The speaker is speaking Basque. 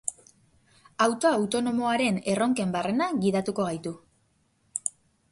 Auto autonomoaren erronken barrena gidatuko gaitu.